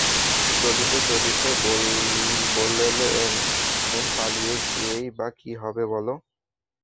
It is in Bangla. চলিতে চলিতে বলেলেন, পালিয়ে গিয়েই বা কী হবে বলো?